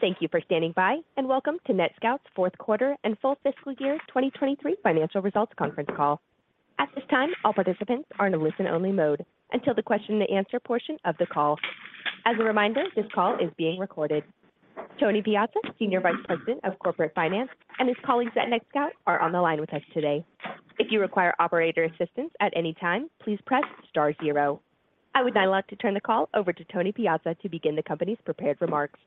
Thank you for standing by and welcome to NETSCOUT's Fourth Quarter and Full Fiscal Year 2023 Financial Results Conference Call. At this time, all participants are in a listen-only mode until the question and answer portion of the call. As a reminder, this call is being recorded. Anthony Piazza, Senior Vice President of Corporate Finance, and his colleagues at NETSCOUT are on the line with us today. If you require operator assistance at any time, please press star zero. I would now like to turn the call over to Anthony Piazza to begin the company's prepared remarks.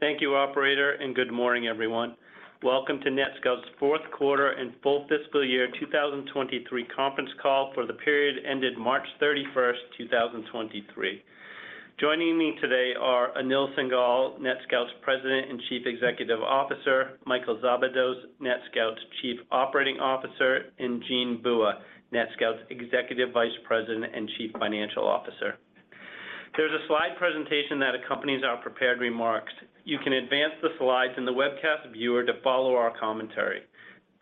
Thank you, operator, Good morning, everyone. Welcome to NETSCOUT's Fourth Quarter and Full Fiscal Year 2023 Conference Call for the period ended March 31st, 2023. Joining me today are Anil Singhal, NETSCOUT's President and Chief Executive Officer, Michael Szabados, NETSCOUT's Chief Operating Officer, and Jean Bua, NETSCOUT's Executive Vice President and Chief Financial Officer. There's a slide presentation that accompanies our prepared remarks. You can advance the slides in the webcast viewer to follow our commentary.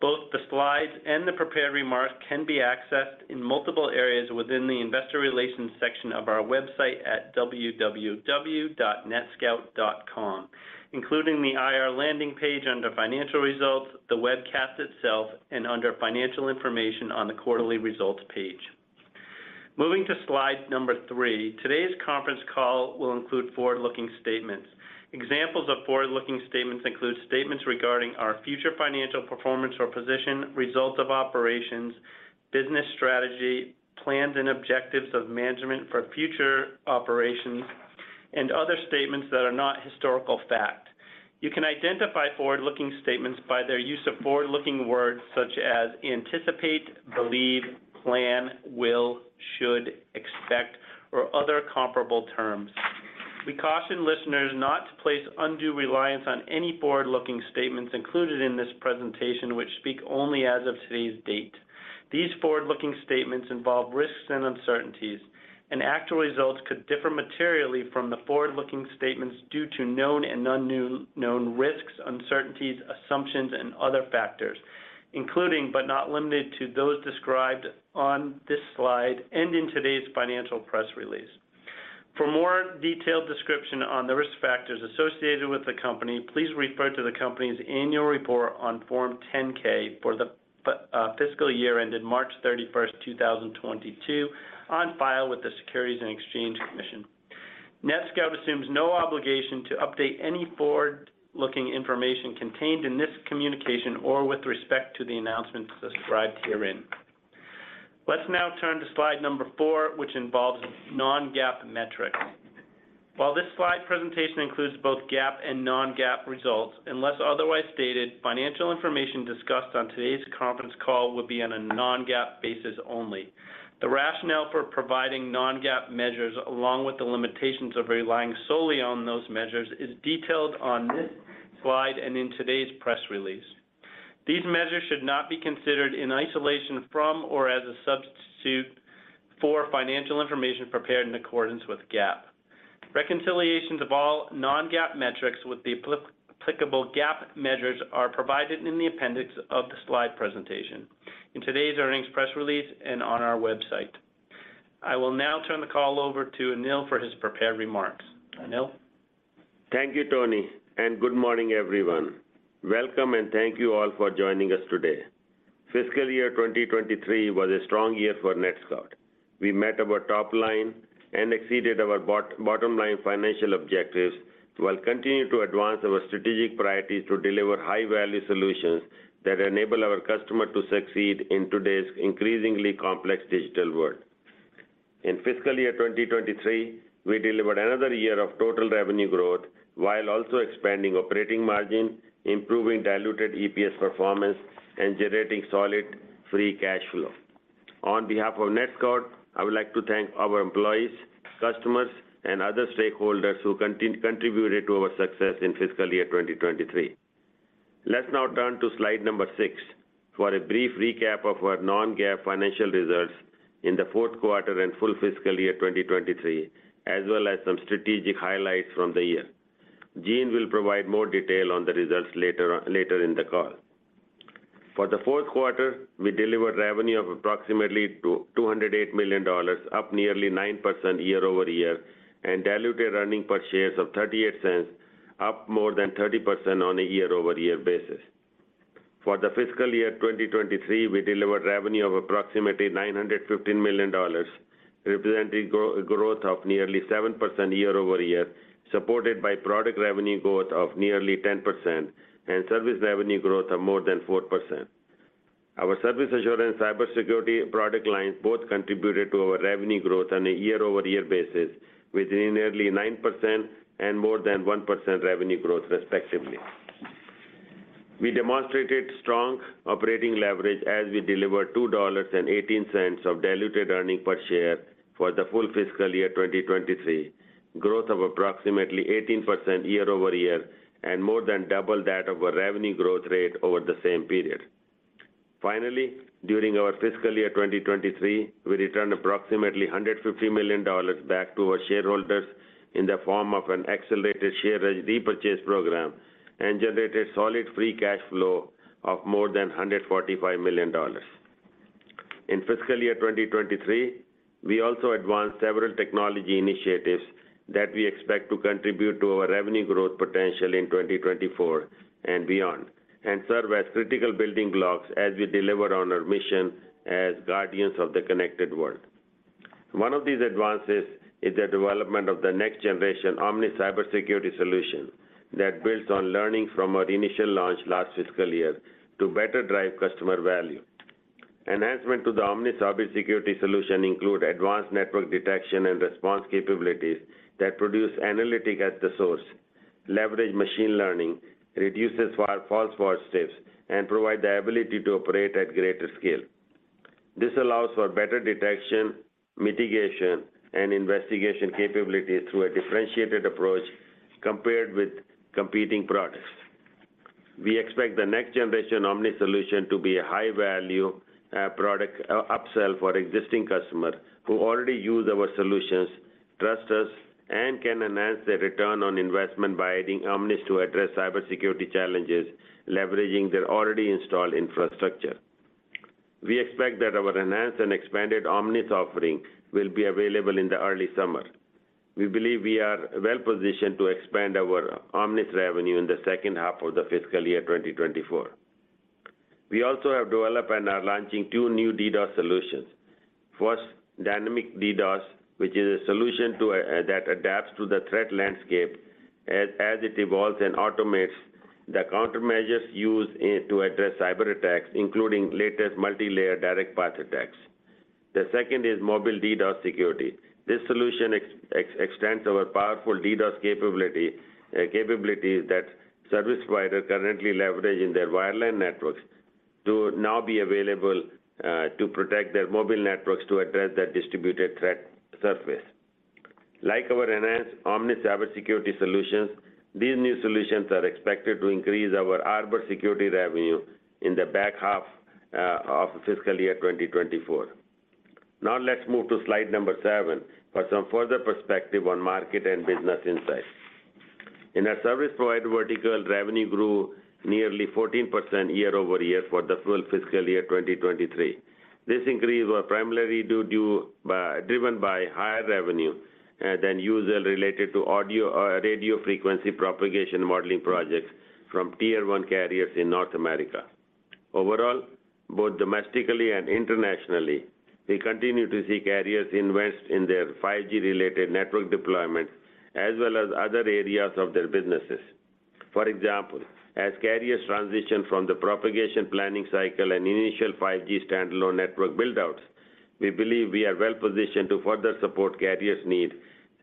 Both the slides and the prepared remarks can be accessed in multiple areas within the investor relations section of our website at www.netscout.com, including the IR landing page under Financial Results, the webcast itself, and under Financial Information on the quarterly results page. Moving to slide number three, today's conference call will include forward-looking statements. Examples of forward-looking statements include statements regarding our future financial performance or position, results of operations, business strategy, plans and objectives of management for future operations, and other statements that are not historical fact. You can identify forward-looking statements by their use of forward-looking words such as "anticipate," "believe," "plan," "will," "should," "expect," or other comparable terms. We caution listeners not to place undue reliance on any forward-looking statements included in this presentation, which speak only as of today's date. These forward-looking statements involve risks and uncertainties, and actual results could differ materially from the forward-looking statements due to known and unknown, known risks, uncertainties, assumptions, and other factors, including, but not limited to, those described on this slide and in today's financial press release. For more detailed description on the risk factors associated with the company, please refer to the company's annual report on Form 10-K for the fiscal year ended March 31st, 2022, on file with the Securities and Exchange Commission. NETSCOUT assumes no obligation to update any forward-looking information contained in this communication or with respect to the announcements described herein. Let's now turn to slide number four, which involves non-GAAP metrics. While this slide presentation includes both GAAP and non-GAAP results, unless otherwise stated, financial information discussed on today's conference call will be on a non-GAAP basis only. The rationale for providing non-GAAP measures, along with the limitations of relying solely on those measures, is detailed on this slide and in today's press release. These measures should not be considered in isolation from or as a substitute for financial information prepared in accordance with GAAP. Reconciliations of all non-GAAP metrics with the applicable GAAP measures are provided in the appendix of the slide presentation in today's earnings press release and on our website. I will now turn the call over to Anil for his prepared remarks. Anil? Thank you, Tony, and good morning, everyone. Welcome and thank you all for joining us today. Fiscal year 2023 was a strong year for NETSCOUT. We met our top line and exceeded our bottom line financial objectives while continuing to advance our strategic priorities to deliver high-value solutions that enable our customer to succeed in today's increasingly complex digital world. In fiscal year 2023, we delivered another year of total revenue growth while also expanding operating margin, improving diluted EPS performance, and generating solid free cash flow. On behalf of NETSCOUT, I would like to thank our employees, customers, and other stakeholders who contributed to our success in fiscal year 2023. Let's now turn to slide number six for a brief recap of our non-GAAP financial results in the fourth quarter and full fiscal year 2023, as well as some strategic highlights from the year. Jean will provide more detail on the results later in the call. For the fourth quarter, we delivered revenue of approximately $208 million, up nearly 9% year-over-year, and diluted earning per shares of $0.38, up more than 30% on a year-over-year basis. For the fiscal year 2023, we delivered revenue of approximately $915 million, representing growth of nearly 7% year-over-year, supported by product revenue growth of nearly 10% and service revenue growth of more than 4%. Our service assurance cybersecurity product lines both contributed to our revenue growth on a year-over-year basis, with nearly 9% and more than 1% revenue growth respectively. We demonstrated strong operating leverage as we delivered $2.18 of diluted earnings per share for the full fiscal year 2023, growth of approximately 18% year-over-year and more than double that of our revenue growth rate over the same period. During our fiscal year 2023, we returned approximately $150 million back to our shareholders in the form of an accelerated share repurchase program and generated solid free cash flow of more than $145 million. In fiscal year 2023, we also advanced several technology initiatives that we expect to contribute to our revenue growth potential in 2024 and beyond, and serve as critical building blocks as we deliver on our mission as guardians of the connected world. One of these advances is the development of the next generation Omnis cybersecurity solution that builds on learning from our initial launch last fiscal year to better drive customer value. Enhancement to the Omnis cybersecurity solution include advanced Network Detection and Response capabilities that produce analytic at the source, leverage machine learning, reduces false positives, and provide the ability to operate at greater scale. This allows for better detection, mitigation, and investigation capability through a differentiated approach compared with competing products. We expect the next generation Omnis solution to be a high value product upsell for existing customers who already use our solutions, trust us, and can enhance their return on investment by adding Omnis to address cybersecurity challenges, leveraging their already installed infrastructure. We expect that our enhanced and expanded Omnis offering will be available in the early summer. We believe we are well-positioned to expand our Omnis revenue in the second half of the fiscal year 2024. We also have developed and are launching two new DDoS solutions. First, dynamic DDoS, which is a solution that adapts to the threat landscape as it evolves and automates the countermeasures used to address cyberattacks, including latest multilayer direct-path attacks. The second is mobile DDoS security. This solution extends our powerful DDoS capabilities that service providers currently leverage in their wireline networks to now be available to protect their mobile networks to address their distributed threat surface. Like our enhanced Omnis cybersecurity solutions, these new solutions are expected to increase our Arbor security revenue in the back half of fiscal year 2024. Now let's move to slide number seven for some further perspective on market and business insights. In our service provider vertical, revenue grew nearly 14% year-over-year for the full fiscal year 2023. This increase was primarily driven by higher revenue than usual related to audio or radio frequency propagation modeling projects from tier one carriers in North America. Overall, both domestically and internationally, we continue to see carriers invest in their 5G related network deployment as well as other areas of their businesses. For example, as carriers transition from the propagation planning cycle and initial 5G standalone network build-outs, we believe we are well-positioned to further support carriers' need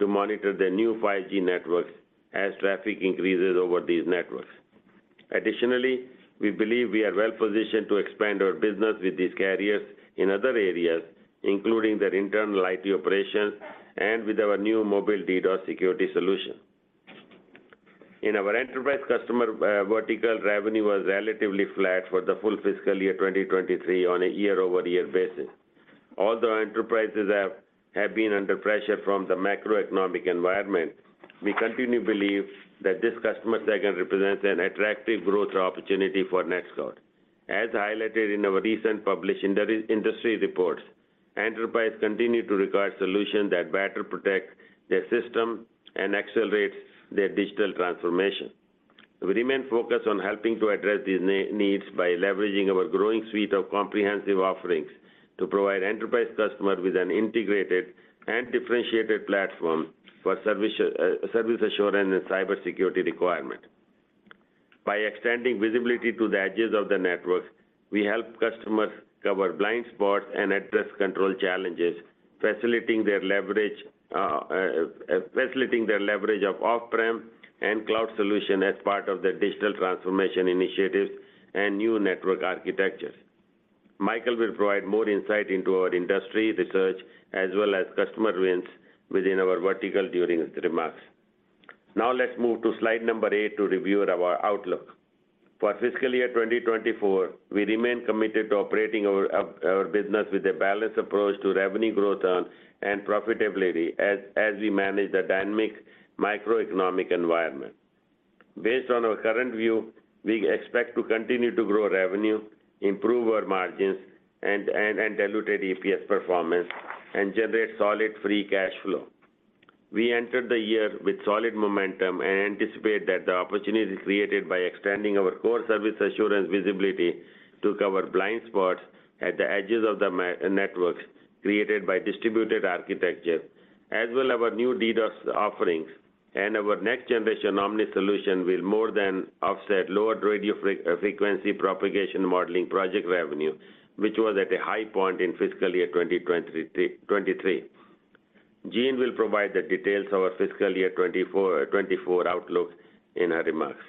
to monitor the new 5G networks as traffic increases over these networks. Additionally, we believe we are well-positioned to expand our business with these carriers in other areas, including their internal IT operations and with our new mobile DDoS security solution. In our enterprise customer vertical, revenue was relatively flat for the full fiscal year 2023 on a year-over-year basis. Although enterprises have been under pressure from the macroeconomic environment, we continue to believe that this customer segment represents an attractive growth opportunity for NETSCOUT. As highlighted in our recent published industry reports, enterprises continue to require solutions that better protect their system and accelerates their digital transformation. We remain focused on helping to address these needs by leveraging our growing suite of comprehensive offerings to provide enterprise customers with an integrated and differentiated platform for service assurance and cybersecurity requirement. By extending visibility to the edges of the networks, we help customers cover blind spots and address control challenges, facilitating their leverage of off-prem and cloud solution as part of their digital transformation initiatives and new network architectures. Michael will provide more insight into our industry research as well as customer wins within our vertical during his remarks. Now let's move to slide number eight to review our outlook. For fiscal year 2024, we remain committed to operating our business with a balanced approach to revenue growth and profitability as we manage the dynamic macroeconomic environment. Based on our current view, we expect to continue to grow revenue, improve our margins, and diluted EPS performance, and generate solid free cash flow. We entered the year with solid momentum and anticipate that the opportunities created by extending our core service assurance visibility to cover blind spots at the edges of the networks created by distributed architecture, as well our new DDoS offerings and our next generation Omnis solution will more than offset lower radio frequency propagation modeling project revenue, which was at a high point in fiscal year 2023. Gene will provide the details of our fiscal year 2024 outlook in her remarks.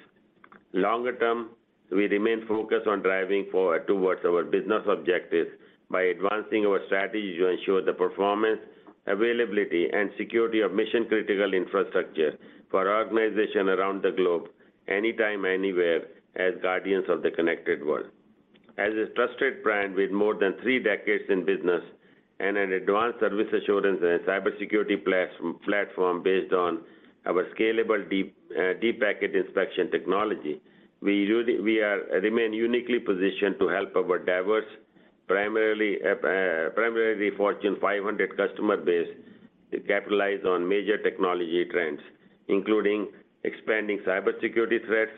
Longer term, we remain focused on driving towards our business objectives by advancing our strategy to ensure the performance, availability, and security of mission critical infrastructure for our organization around the globe anytime, anywhere as guardians of the connected world. As a trusted brand with more than three decades in business. An advanced service assurance and cybersecurity platform based on our scalable deep packet inspection technology, we remain uniquely positioned to help our diverse primarily Fortune 500 customer base to capitalize on major technology trends, including expanding cybersecurity threats,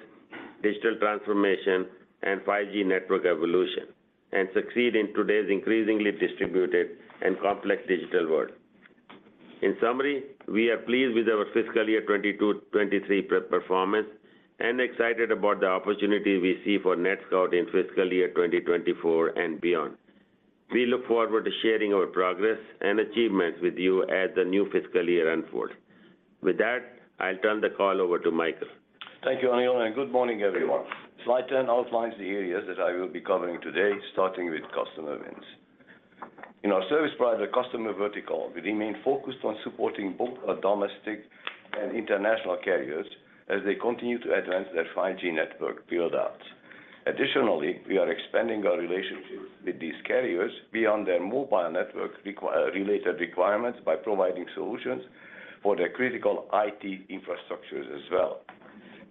digital transformation, and 5G network evolution, and succeed in today's increasingly distributed and complex digital world. In summary, we are pleased with our fiscal year 2022/2023 performance and excited about the opportunity we see for NETSCOUT in fiscal year 2024 and beyond. We look forward to sharing our progress and achievements with you as the new fiscal year unfold. With that, I'll turn the call over to Michael. Thank you, Anil, and good morning, everyone. Slide 10 outlines the areas that I will be covering today, starting with customer wins. In our service provider customer vertical, we remain focused on supporting both our domestic and international carriers as they continue to advance their 5G network build-outs. Additionally, we are expanding our relationships with these carriers beyond their mobile network related requirements by providing solutions for their critical IT infrastructures as well.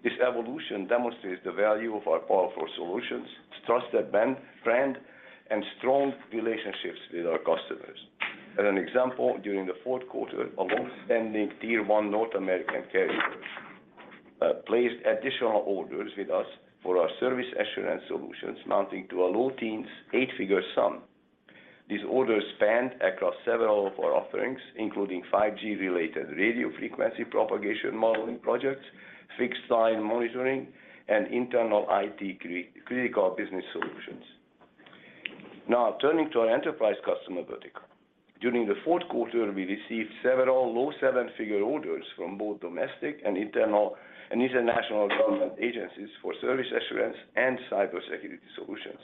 This evolution demonstrates the value of our powerful solutions, trusted brand, and strong relationships with our customers. As an example, during the fourth quarter, a long-standing Tier 1 North American carrier placed additional orders with us for our service assurance solutions amounting to a low teens eight-figure sum. These orders spanned across several of our offerings, including 5G related radio frequency propagation modeling projects, fixed line monitoring, and internal IT critical business solutions. Turning to our enterprise customer vertical. During the fourth quarter, we received several low seven-figure orders from both domestic and internal and international government agencies for service assurance and cybersecurity solutions.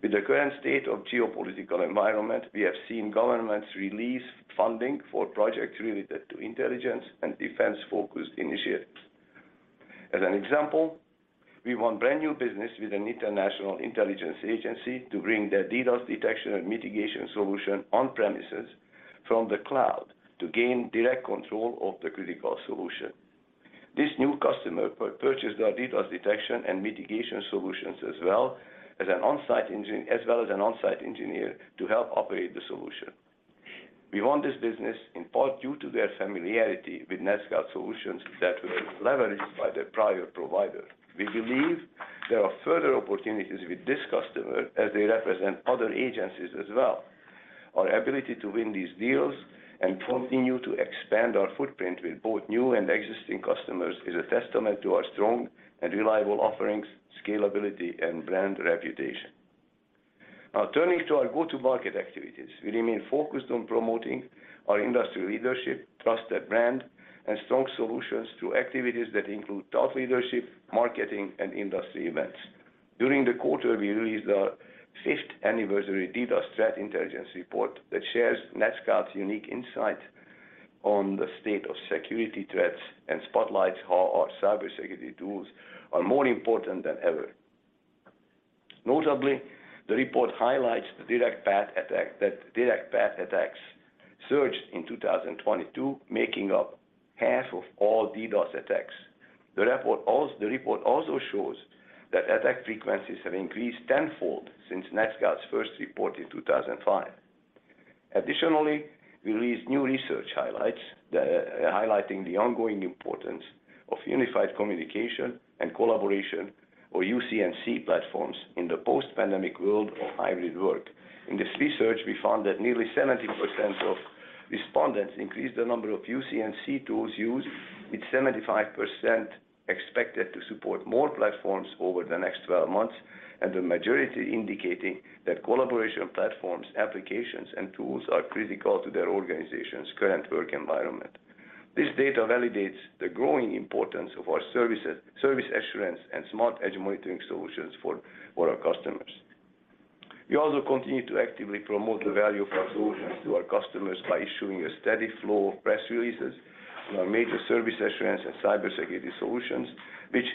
With the current state of geopolitical environment, we have seen governments release funding for projects related to intelligence and defense-focused initiatives. As an example, we won brand-new business with an international intelligence agency to bring their DDoS detection and mitigation solution on premises from the cloud to gain direct control of the critical solution. This new customer purchased our DDoS detection and mitigation solutions, as well as an on-site engineer to help operate the solution. We won this business in part due to their familiarity with NETSCOUT solutions that were leveraged by their prior provider. We believe there are further opportunities with this customer as they represent other agencies as well. Our ability to win these deals and continue to expand our footprint with both new and existing customers is a testament to our strong and reliable offerings, scalability, and brand reputation. Now turning to our go-to-market activities. We remain focused on promoting our industry leadership, trusted brand, and strong solutions through activities that include thought leadership, marketing, and industry events. During the quarter, we released our fifth anniversary DDoS Threat Intelligence Report that shares NETSCOUT's unique insight on the state of security threats and spotlights how our cybersecurity tools are more important than ever. Notably, the report highlights direct-path attacks surged in 2022, making up half of all DDoS attacks. The report also shows that attack frequencies have increased tenfold since NETSCOUT's first report in 2005. Additionally, we released new research highlights, highlighting the ongoing importance of unified communication and collaboration, or UC&C platforms, in the post-pandemic world of hybrid work. In this research, we found that nearly 70% of respondents increased the number of UC&C tools used, with 75% expected to support more platforms over the next 12 months, and the majority indicating that collaboration platforms, applications, and tools are critical to their organization's current work environment. This data validates the growing importance of our services, service assurance and Smart Edge Monitoring solutions for our customers. We also continue to actively promote the value of our solutions to our customers by issuing a steady flow of press releases on our major service assurance and cybersecurity solutions, which,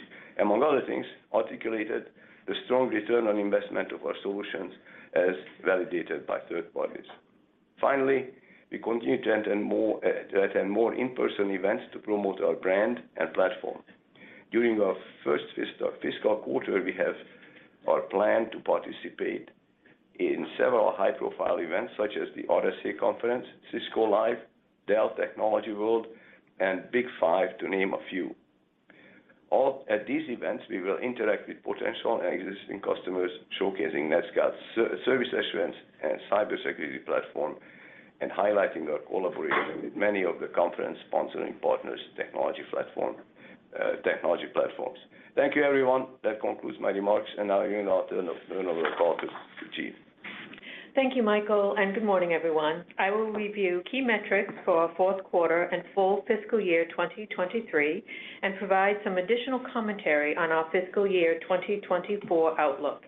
among other things, articulated the strong return on investment of our solutions as validated by third parties. Finally, we continue to attend more in-person events to promote our brand and platform. During our first fiscal quarter, we have our plan to participate in several high-profile events such as the RSA Conference, Cisco Live, Dell Technologies World, and Big Five, to name a few. At these events, we will interact with potential and existing customers showcasing NETSCOUT's service assurance and cybersecurity platform and highlighting our collaboration with many of the conference sponsoring partners, technology platforms. Thank you, everyone. That concludes my remarks, and now I will turn over the call to Jean. Thank you, Michael, good morning, everyone. I will review key metrics for our fourth quarter and full fiscal year 2023 and provide some additional commentary on our fiscal year 2024 outlook.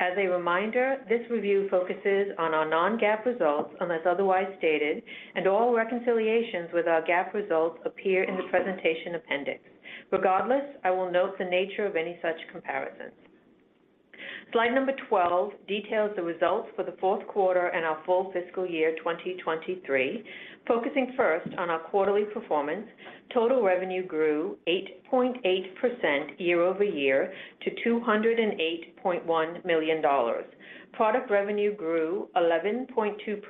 As a reminder, this review focuses on our non-GAAP results, unless otherwise stated, and all reconciliations with our GAAP results appear in the presentation appendix. Regardless, I will note the nature of any such comparisons. Slide number 12 details the results for the fourth quarter and our full fiscal year 2023. Focusing first on our quarterly performance, total revenue grew 8.8% year-over-year to $208.1 million. Product revenue grew 11.2%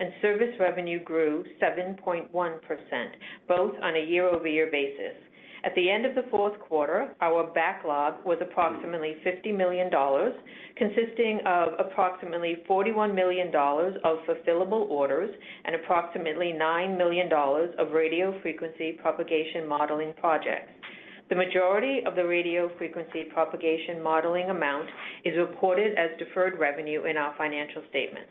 and service revenue grew 7.1%, both on a year-over-year basis. At the end of the fourth quarter, our backlog was approximately $50 million, consisting of approximately $41 million of fulfillable orders and approximately $9 million of radio frequency propagation modeling projects. The majority of the radio frequency propagation modeling amount is reported as deferred revenue in our financial statements.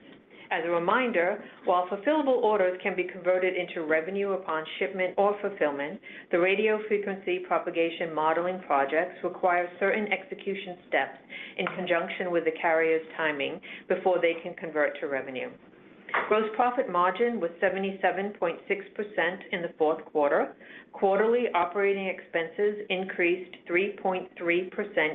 As a reminder, while fulfillable orders can be converted into revenue upon shipment or fulfillment, the radio frequency propagation modeling projects require certain execution steps in conjunction with the carrier's timing before they can convert to revenue. Gross profit margin was 77.6% in the fourth quarter. Quarterly operating expenses increased 3.3%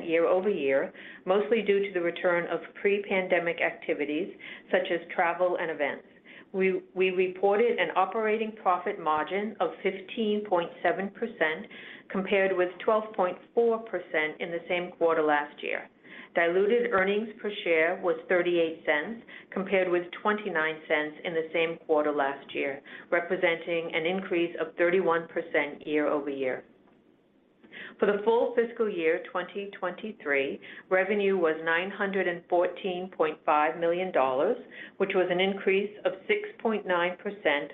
year-over-year, mostly due to the return of pre-pandemic activities such as travel and events. We reported an operating profit margin of 15.7% compared with 12.4% in the same quarter last year. Diluted earnings per share was $0.38 compared with $0.29 in the same quarter last year, representing an increase of 31% year-over-year. For the full fiscal year 2023, revenue was $914.5 million, which was an increase of 6.9%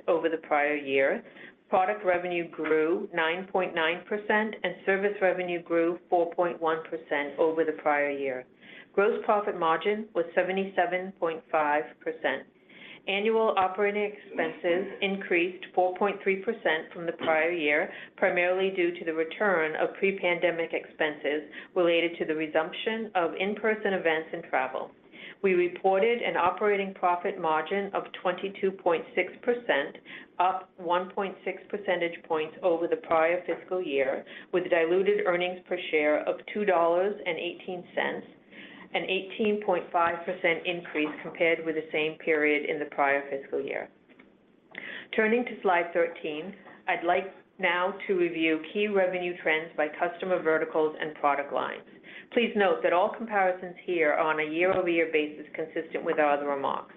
over the prior year. Product revenue grew 9.9% and service revenue grew 4.1% over the prior year. Gross profit margin was 77.5%. Annual operating expenses increased 4.3% from the prior year, primarily due to the return of pre-pandemic expenses related to the resumption of in-person events and travel. We reported an operating profit margin of 22.6%, up 1.6 percentage points over the prior fiscal year, with diluted earnings per share of $2.18, an 18.5% increase compared with the same period in the prior fiscal year. Turning to slide 13, I'd like now to review key revenue trends by customer verticals and product lines. Please note that all comparisons here are on a year-over-year basis consistent with our other remarks.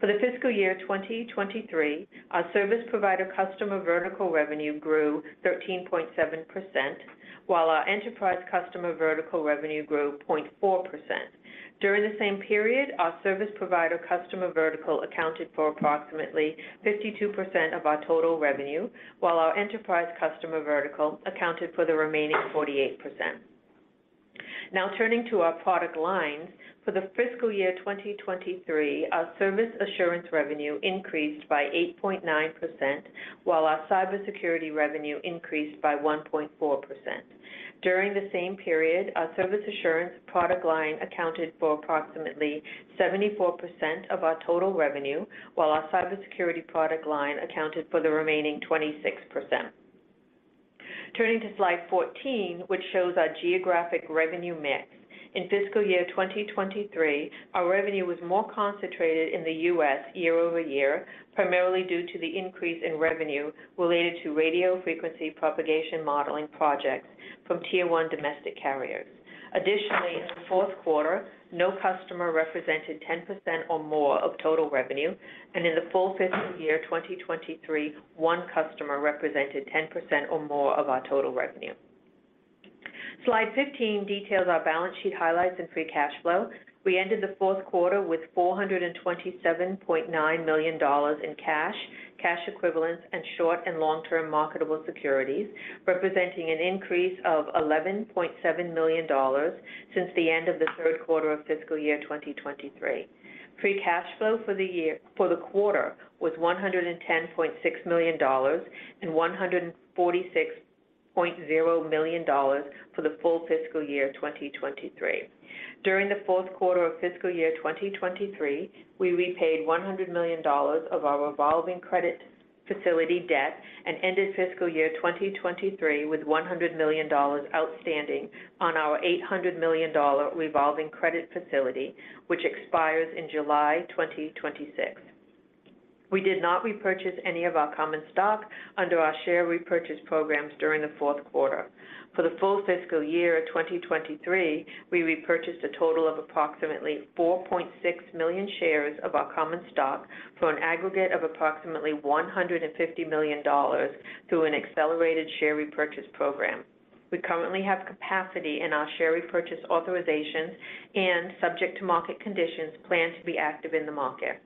For the fiscal year 2023, our service provider customer vertical revenue grew 13.7%, while our enterprise customer vertical revenue grew 0.4%. During the same period, our service provider customer vertical accounted for approximately 52% of our total revenue, while our enterprise customer vertical accounted for the remaining 48%. Now turning to our product lines. For the fiscal year 2023, our service assurance revenue increased by 8.9%, while our cybersecurity revenue increased by 1.4%. During the same period, our service assurance product line accounted for approximately 74% of our total revenue, while our cybersecurity product line accounted for the remaining 26%. Turning to slide 14, which shows our geographic revenue mix. In fiscal year 2023, our revenue was more concentrated in the US year-over-year, primarily due to the increase in revenue related to radio frequency propagation modeling projects from tier one domestic carriers. In the fourth quarter, no customer represented 10% or more of total revenue, and in the full fiscal year 2023, one customer represented 10% or more of our total revenue. Slide 15 details our balance sheet highlights and free cash flow. We ended the fourth quarter with $427.9 million in cash equivalents, and short and long-term marketable securities, representing an increase of $11.7 million since the end of the third quarter of fiscal year 2023. Free cash flow for the quarter was $110.6 million and $146.0 million for the full fiscal year 2023. During the fourth quarter of fiscal year 2023, we repaid $100 million of our revolving credit facility debt and ended fiscal year 2023 with $100 million outstanding on our $800 million revolving credit facility, which expires in July 2026. We did not repurchase any of our common stock under our share repurchase programs during the fourth quarter. For the full fiscal year 2023, we repurchased a total of approximately 4.6 million shares of our common stock for an aggregate of approximately $150 million through an accelerated share repurchase program. We currently have capacity in our share repurchase authorizations and, subject to market conditions, plan to be active in the market.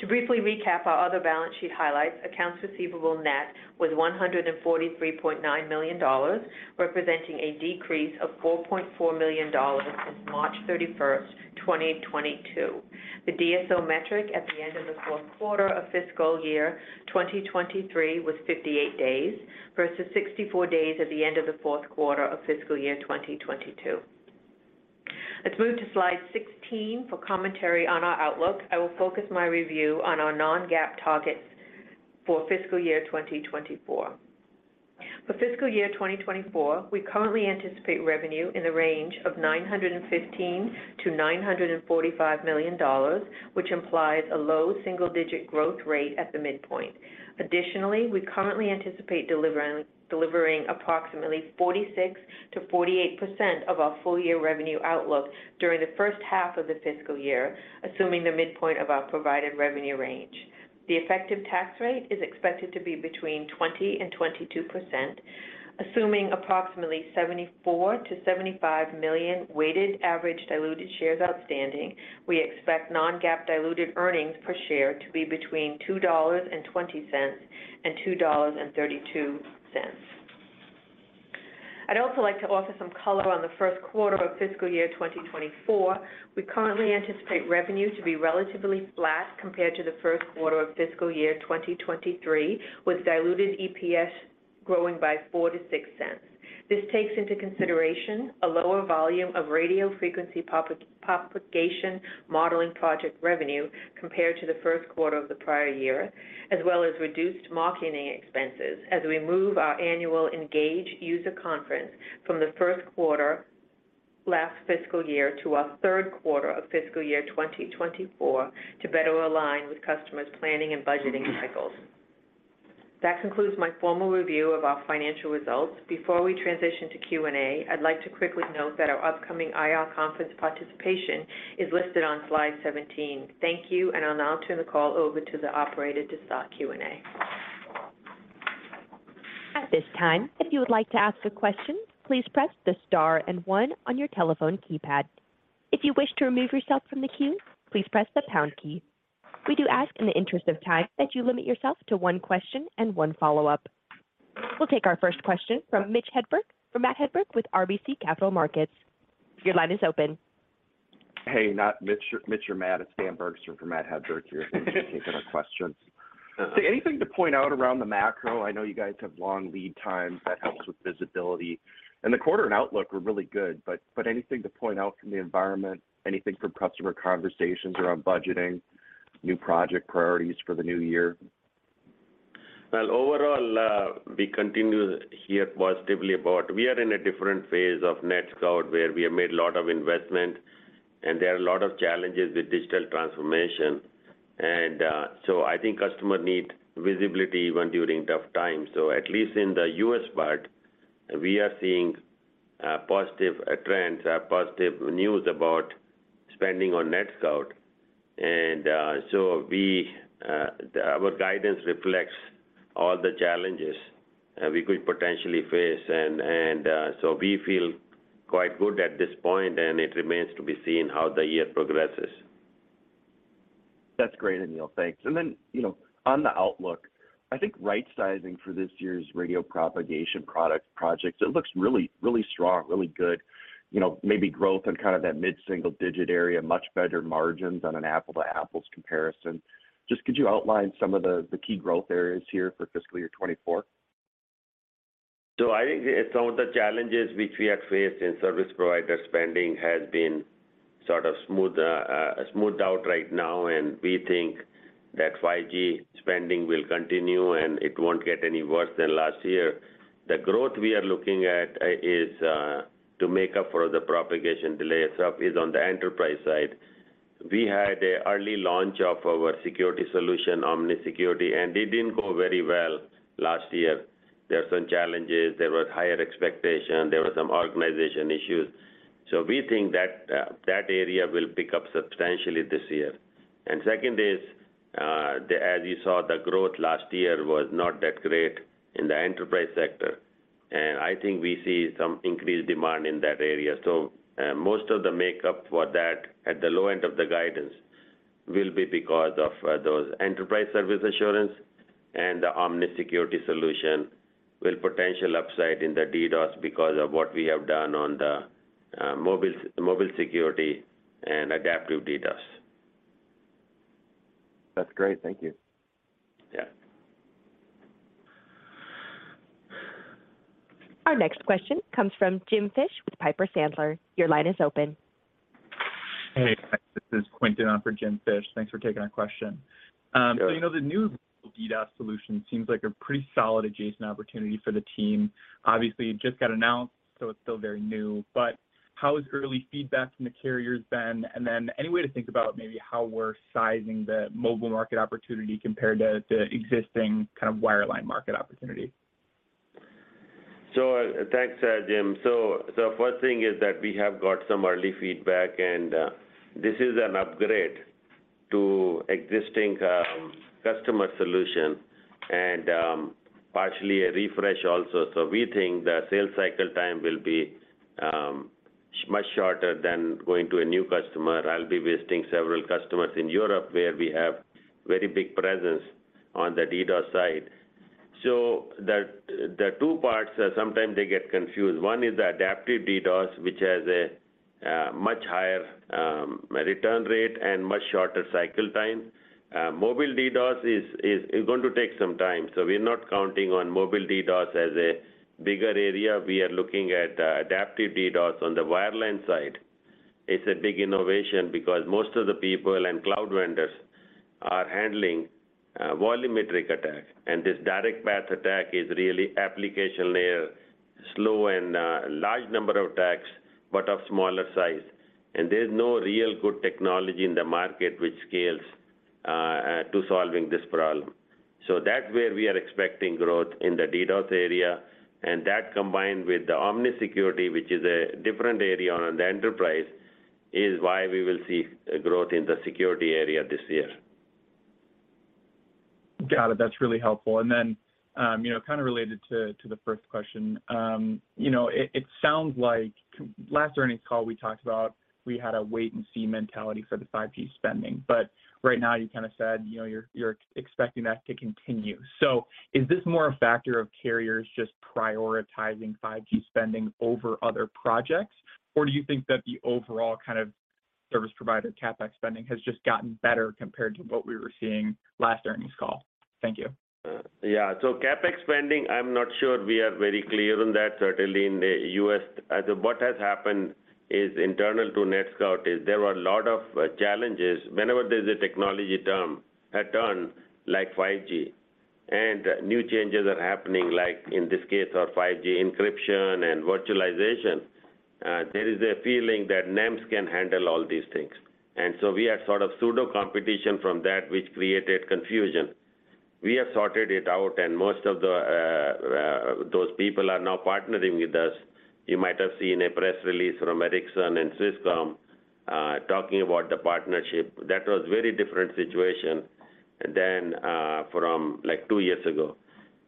To briefly recap our other balance sheet highlights, accounts receivable net was $143.9 million, representing a decrease of $4.4 million since March 31st, 2022. The DSO metric at the end of the fourth quarter of fiscal year 2023 was 58 days versus 64 days at the end of the fourth quarter of fiscal year 2022. Let's move to slide 16 for commentary on our outlook. I will focus my review on our non-GAAP targets for fiscal year 2024. For fiscal year 2024, we currently anticipate revenue in the range of $915 million-$945 million, which implies a low single-digit growth rate at the midpoint. Additionally, we currently anticipate delivering approximately 46%-48% of our full year revenue outlook during the first half of the fiscal year, assuming the midpoint of our provided revenue range. The effective tax rate is expected to be between 20% and 22%. Assuming approximately 74 million-75 million weighted average diluted shares outstanding, we expect non-GAAP diluted earnings per share to be between $2.20 and $2.32. I'd also like to offer some color on the first quarter of fiscal year 2024. We currently anticipate revenue to be relatively flat compared to the first quarter of fiscal year 2023, with diluted EPS growing by $0.04-$0.06. This takes into consideration a lower volume of radio frequency propagation modeling project revenue compared to the first quarter of the prior year, as well as reduced marketing expenses as we move our annual Engage user conference from the first quarter last fiscal year to our third quarter of fiscal year 2024 to better align with customers' planning and budgeting cycles. That concludes my formal review of our financial results. Before we transition to Q&A, I'd like to quickly note that our upcoming IR conference participation is listed on slide 17. Thank you. I'll now turn the call over to the operator to start Q&A. At this time, if you would like to ask a question, please press the star and one on your telephone keypad. If you wish to remove yourself from the queue, please press the pound key. We do ask in the interest of time that you limit yourself to one question and one follow-up. We'll take our first question from Matt Hedberg with RBC Capital Markets. Your line is open. Hey, not Mitch or Matt Hedberg, it's Dan Bergstrom for Matt Hedberg here. Thanks for taking our questions. Anything to point out around the macro? I know you guys have long lead times that helps with visibility, and the quarter and outlook were really good, but anything to point out from the environment, anything from customer conversations around budgeting, new project priorities for the new year? Well, overall, we continue to hear positively. We are in a different phase of NETSCOUT where we have made a lot of investment and there are a lot of challenges with digital transformation. I think customer need visibility even during tough times. At least in the U.S. part, we are seeing positive trends, positive news about spending on NETSCOUT. We, our guidance reflects all the challenges we could potentially face. We feel quite good at this point, and it remains to be seen how the year progresses. That's great, Anil. Thanks. Then, you know, on the outlook, I think right sizing for this year's radio propagation product projects, it looks really, really strong, really good. You know, maybe growth in kind of that mid-single-digit area, much better margins on an apples-to-apples comparison. Just could you outline some of the key growth areas here for fiscal year 2024? I think some of the challenges which we have faced in service provider spending has been sort of smooth, smoothed out right now, and we think that 5G spending will continue, and it won't get any worse than last year. The growth we are looking at, is to make up for the propagation delay itself is on the enterprise side. We had an early launch of our security solution, Omnis Security, and it didn't go very well last year. There were some challenges, there was higher expectation, there were some organization issues. We think that area will pick up substantially this year. Second is, as you saw, the growth last year was not that great in the enterprise sector. I think we see some increased demand in that area. Most of the make up for that at the low end of the guidance will be because of those enterprise service assurance and the Omnis Security solution with potential upside in the DDoS because of what we have done on the mobile security and Adaptive DDoS. That's great. Thank you. Yeah. Our next question comes from James Fish with Piper Sandler. Your line is open. Hey, this is Quinton on for James Fish, thanks for taking our question. Yeah. you know, the new DDoS solution seems like a pretty solid adjacent opportunity for the team. Obviously, it just got announced, so it's still very new. How has early feedback from the carriers been? Any way to think about maybe how we're sizing the mobile market opportunity compared to existing kind of wireline market opportunity? Thanks, Jim. First thing is that we have got some early feedback, and this is an upgrade to existing customer solution and partially a refresh also. We think the sales cycle time will be much shorter than going to a new customer. I'll be visiting several customers in Europe where we have very big presence on the DDoS side. The two parts sometimes they get confused. One is the Adaptive DDoS, which has a much higher return rate and much shorter cycle time. Mobile DDoS is going to take some time. We're not counting on mobile DDoS as a bigger area. We are looking at Adaptive DDoS on the wireline side. It's a big innovation because most of the people and cloud vendors are handling volumetric attack. This direct-path attack is really application layer, slow and large number of attacks but of smaller size. There's no real good technology in the market which scales to solving this problem. That's where we are expecting growth in the DDoS area, and that combined with the Omnis Security, which is a different area on the enterprise, is why we will see a growth in the security area this year. Got it. That's really helpful. You know, kind of related to the first question, you know, it sounds like last earnings call we talked about we had a wait and see mentality for the 5G spending, but right now you kinda said, you know, you're expecting that to continue. Is this more a factor of carriers just prioritizing 5G spending over other projects, or do you think that the overall kind of service provider CapEx spending has just gotten better compared to what we were seeing last earnings call? Thank you. Yeah. So CapEx spending, I'm not sure we are very clear on that certainly in the U.S. What has happened is internal to NETSCOUT is there were a lot of challenges. Whenever there's a technology like 5G, and new changes are happening, like in this case our 5G encryption and virtualization, there is a feeling that NEMs can handle all these things. We had sort of pseudo-competition from that which created confusion. We have sorted it out and most of the those people are now partnering with us. You might have seen a press release from Ericsson and Swisscom talking about the partnership. That was very different situation than from like two years ago.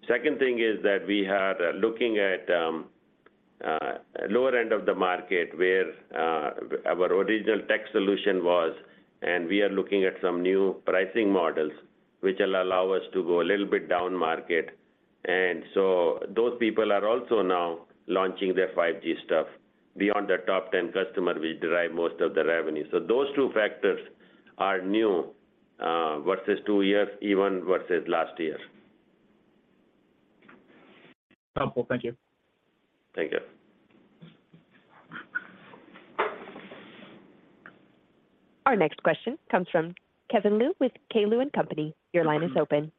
Second thing is that we are looking at lower end of the market where our original tech solution was, and we are looking at some new pricing models which will allow us to go a little bit down market. Those people are also now launching their 5G stuff. Beyond the top 10 customer will derive most of the revenue. Those two factors are new versus two years, even versus last year. Helpful. Thank you. Thank you. Our next question comes from Kevin Liu with K. Liu & Company. Your line is open.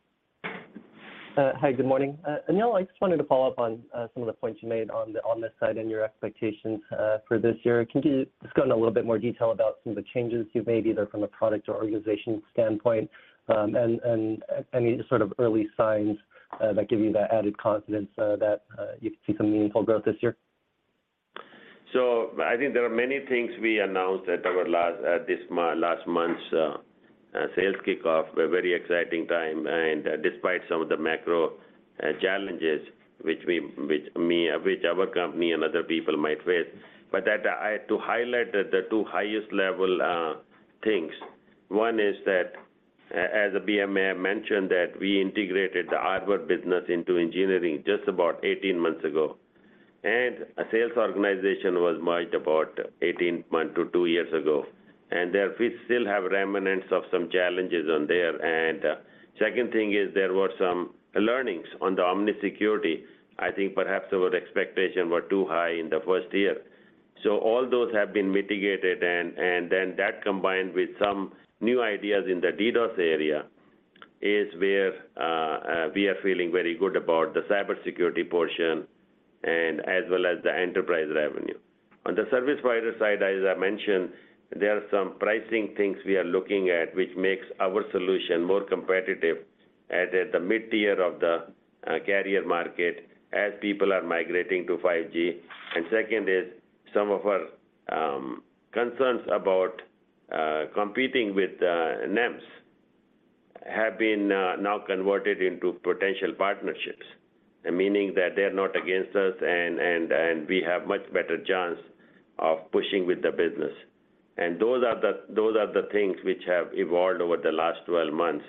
Hi. Good morning. Anil, I just wanted to follow up on some of the points you made on the, on this side and your expectations for this year. Can you just go into a little bit more detail about some of the changes you've made, either from a product or organization standpoint, and any sort of early signs that give you the added confidence that you can see some meaningful growth this year? I think there are many things we announced at our last last month's sales kickoff, a very exciting time, and despite some of the macro challenges which we, which our company and other people might face. That, to highlight the two highest level things, one is that as a BM I mentioned that we integrated the hardware business into engineering just about 18 months ago. A sales organization was merged about 18 month to two years ago. There we still have remnants of some challenges on there. Second thing is there were some learnings on the Omnis Security. I think perhaps our expectation were too high in the first year. All those have been mitigated and then that combined with some new ideas in the DDoS area is where we are feeling very good about the cybersecurity portion and as well as the enterprise revenue. On the service provider side, as I mentioned, there are some pricing things we are looking at which makes our solution more competitive at the mid-tier of the carrier market as people are migrating to 5G. Second is some of our concerns about competing with NEMs have been now converted into potential partnerships, meaning that they're not against us and we have much better chance of pushing with the business. Those are the things which have evolved over the last 12 months.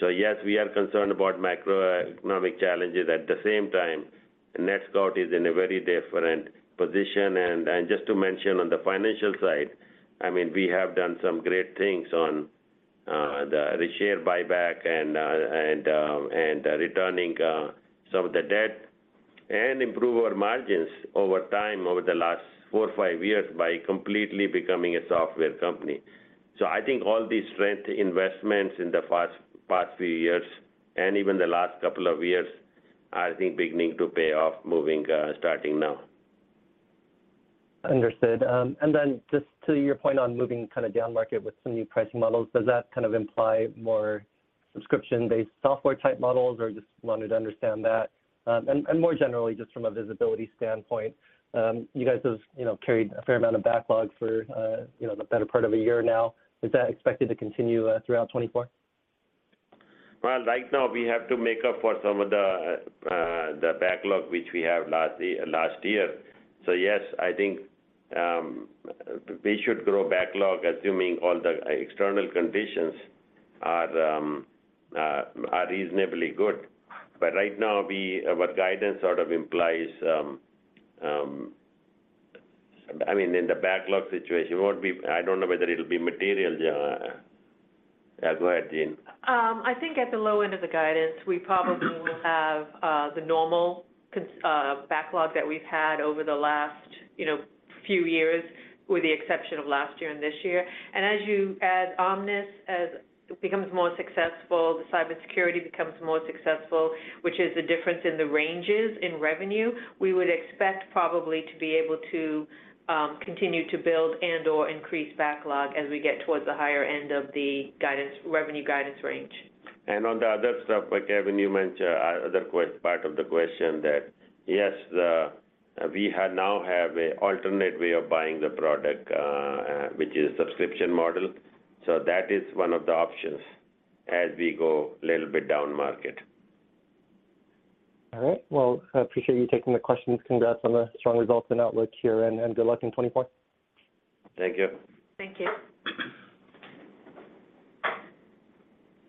Yes, we are concerned about macroeconomic challenges. At the same time, NETSCOUT is in a very different position. Just to mention on the financial side, I mean, we have done some great things on the share buyback and returning some of the debt, and improve our margins over time over the last four or five years by completely becoming a software company. I think all these strength investments in the past few years, and even the last couple of years, are, I think, beginning to pay off moving starting now. Understood. Just to your point on moving kind of down market with some new pricing models, does that kind of imply more subscription-based software type models, or just wanted to understand that. More generally, just from a visibility standpoint, you guys have, you know, carried a fair amount of backlogs for, you know, the better part of a year now. Is that expected to continue throughout 2024? Right now we have to make up for some of the backlog which we have last year. Yes, I think we should grow backlog assuming all the external conditions are reasonably good. Right now we, our guidance sort of implies, I mean, in the backlog situation, I don't know whether it'll be material. Go ahead, Jean. I think at the low end of the guidance, we probably will have the normal backlog that we've had over the last, you know, few years, with the exception of last year and this year. As Omnis, as becomes more successful, the cybersecurity becomes more successful, which is the difference in the ranges in revenue, we would expect probably to be able to continue to build and/or increase backlog as we get towards the higher end of the guidance, revenue guidance range. On the other stuff, like Kevin, you mentioned part of the question that yes, the, we now have a alternate way of buying the product, which is subscription model. That is one of the options as we go a little bit down market. All right. Well, I appreciate you taking the questions. Congrats on the strong results and outlook here, and good luck in 2024. Thank you. Thank you.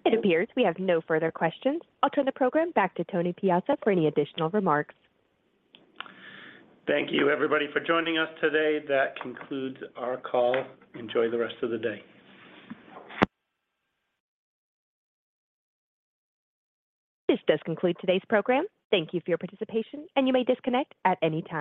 It appears we have no further questions. I'll turn the program back to Anthony Piazza for any additional remarks. Thank you, everybody, for joining us today. That concludes our call. Enjoy the rest of the day. This does conclude today's program. Thank you for your participation, and you may disconnect at any time.